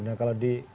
nah kalau di